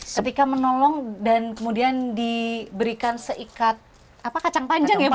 ketika menolong dan kemudian diberikan seikat kacang panjang ya pak